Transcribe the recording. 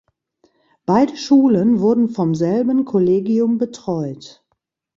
Beide Schulen wurden vom selben Kollegium betreut.